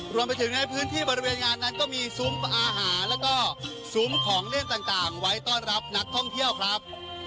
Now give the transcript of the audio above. รวมไปถึงในพื้นที่บริเวณงานนั้นก็มีซุ้มอาหารแล้วก็ซุ้มของเล่นต่างไว้ต้อนรับนักท่องเที่ยวครับ